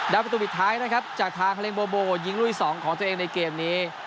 ประตูปิดท้ายนะครับจากทางฮาเลนโบโบยิงลูกที่๒ของตัวเองในเกมนี้